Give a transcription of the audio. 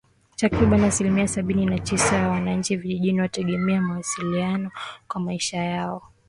Takribani asilimia sabini na sita ya wananchi vijijini wanategemea maliasili kwa maisha yao